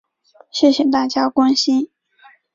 谢谢大家关心